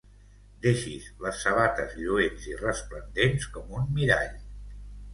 Deixis les sabates lluents i resplendents com un mirall.